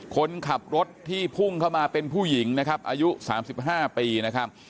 คนขับรถที่พุ่งเข้ามาเป็นผู้หญิงนะครับอายุ๓๕ปีนะครับ